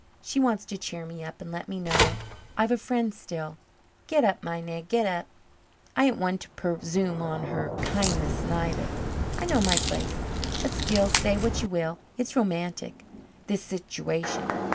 She wants to cheer me up and let me know I've a friend still. Get up, my nag, get up. I ain't one to persoom on her kindness neither; I know my place. But still, say what you will, it's romantic this sitooation.